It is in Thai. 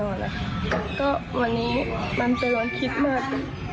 ก็วันนี้มันเป็นวันคิดมาก